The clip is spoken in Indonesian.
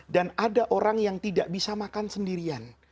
dan ada orang yang tidak bisa makan sendirian